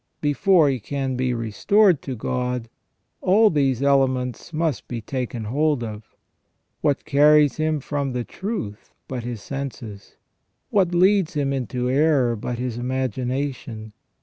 Before he can be restored to God, all these elements must be taken hold of. What carries him from truth but his senses ? What leads him into error but his imagination?